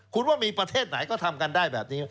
คุณว่ามีประเทศไหนก็ทำกันได้แบบนี้